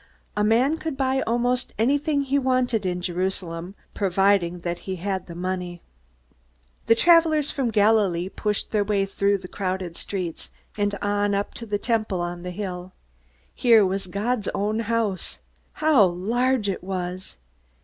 A man could buy almost anything he wanted in Jerusalem, provided that he had the money. The travelers from Galilee pushed their way through the crowded streets, and on up to the Temple on the hill. Here was God's own house! How large it was!